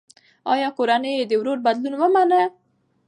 ایا کورنۍ یې د ورور بدلون ومنه؟